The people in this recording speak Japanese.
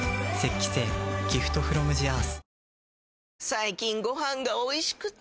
最近ご飯がおいしくて！